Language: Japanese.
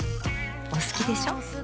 お好きでしょ。